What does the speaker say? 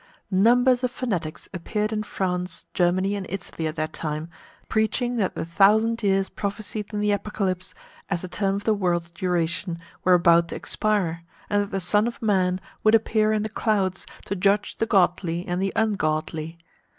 Numbers of fanatics appeared in France, Germany, and Italy at that time, preaching that the thousand years prophesied in the Apocalypse as the term of the world's duration were about to expire, and that the Son of Man would appear in the clouds to judge the godly and the ungodly.